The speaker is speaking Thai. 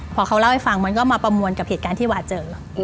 พอเขาเล่าให้ฟังมันก็มาประมวลกับเหตุการณ์ที่วาเจอ